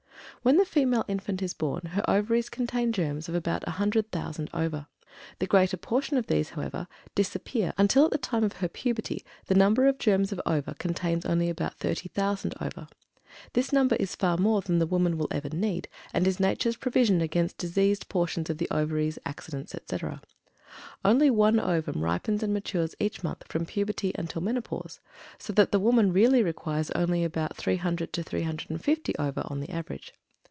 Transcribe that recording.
When the female infant is born, her Ovaries contain the germs of about 100,000 ova. The greater portion of these, however, disappear, until at the time of her puberty the number of germs of ova contains only about 30,000 ova. This number is far more than the woman will ever need, and is Nature's provision against diseased portions of the Ovaries, accidents, etc. Only one ovum ripens and matures each month from puberty until menopause, so that the woman really requires only about 300 to 350 ova on the average.